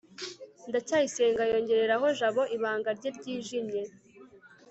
ndacyayisenga yongorera jabo ibanga rye ryijimye